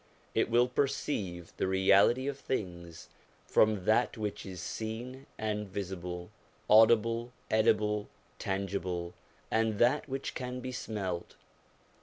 It will perceive the reality of things from that which is seen and visible, audible, edible, tangible, and that which can be smelt.